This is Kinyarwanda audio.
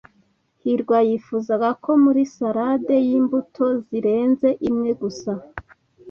hirwa yifuzaga ko muri salade yimbuto zirenze imwe gusa.